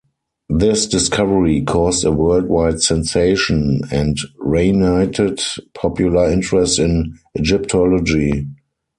This discovery caused a worldwide sensation and reignited popular interest in Egyptology.